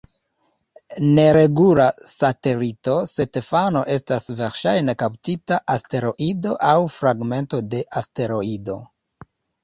Neregula satelito, Stefano estas verŝajne kaptita asteroido aŭ fragmento de asteroido.